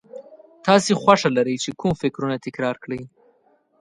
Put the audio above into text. تاسې خوښه لرئ چې کوم فکرونه تکرار کړئ.